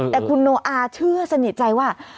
แต่คุณโนอาเชื่อสนิทใจว่า